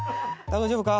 大丈夫か？